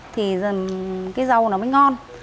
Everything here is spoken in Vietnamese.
thì cái rau nó mới ngon